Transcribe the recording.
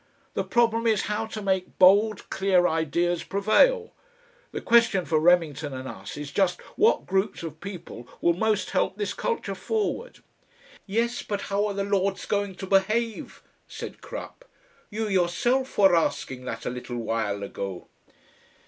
The problem is how to make bold, clear ideas prevail. The question for Remington and us is just what groups of people will most help this culture forward." "Yes, but how are the Lords going to behave?" said Crupp. "You yourself were asking that a little while ago."